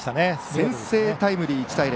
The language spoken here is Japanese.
先制タイムリー１対０。